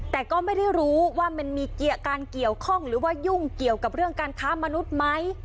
แต่ก็ไม่ได้รู้ว่ามันมีการเกี่ยวข้องหรือว่ายุ่งเกี่ยวกับเรื่องการค้ามนุษย์ไหม